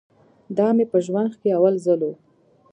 دا مې په ژوند کښې اول ځل و.